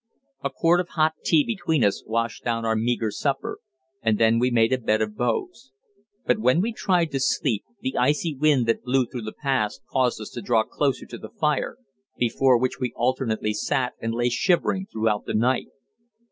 A quart of hot tea between us washed down our meagre supper, and then we made a bed of boughs. But when we tried to sleep the icy wind that blew through the pass caused us to draw closer to the fire, before which we alternately sat and lay shivering throughout the night.